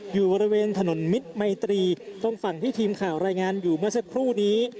อยู่บริเวณถนนมิตรมัยตรีตรงฝั่งที่ทีมข่าวรายงานอยู่เมื่อสักครู่นี้